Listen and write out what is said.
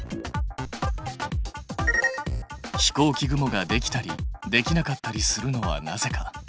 飛行機雲ができたりできなかったりするのはなぜか？